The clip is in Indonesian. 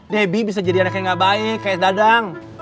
debbie bisa jadi anak yang gak baik kayak dadang